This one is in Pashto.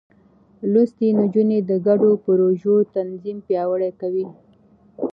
لوستې نجونې د ګډو پروژو تنظيم پياوړې کوي.